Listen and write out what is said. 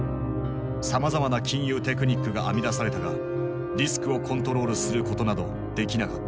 さまざまな金融テクニックが編み出されたがリスクをコントロールすることなどできなかった。